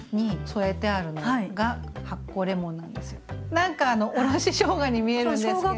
何かあのおろししょうがに見えるんですけど。